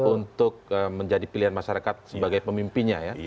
untuk menjadi pilihan masyarakat sebagai pemimpinnya ya